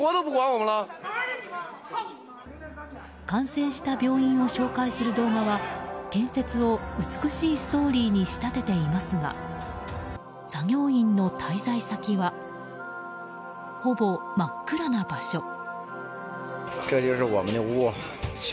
感染した病院を紹介する動画は建設を美しいストーリーに仕立てていますが作業員の滞在先はほぼ真っ暗な場所。